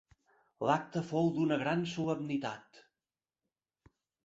L'acte fou d'una gran solemnitat.